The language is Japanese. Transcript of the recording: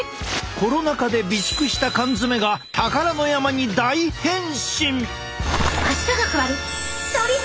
コロナ禍で備蓄した缶詰が宝の山に大変身。